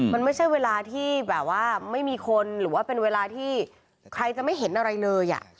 มันไม่ใช่เวลาที่แบบว่าไม่มีคนหรือว่าเป็นเวลาที่ใครจะไม่เห็นอะไรเลย